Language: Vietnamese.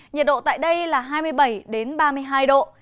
nhiệt độ tại đây là hai mươi bảy ba mươi hai độ